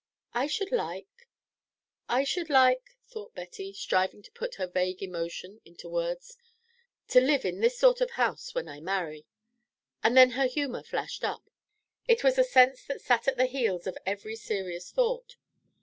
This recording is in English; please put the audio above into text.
"I should like I should like " thought Betty, striving to put her vague emotion into words, "to live in this sort of house when I marry." And then her humour flashed up: it was a sense that sat at the heels of every serious thought.